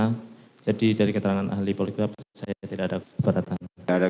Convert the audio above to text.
karena jadi dari keterangan ahli poligraf saya tidak ada keberatan